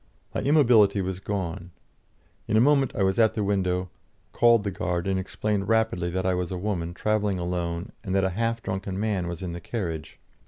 My immobility was gone. In a moment I was at the window, called the guard, and explained rapidly that I was a woman travelling alone, and that a half drunken man was in the carriage.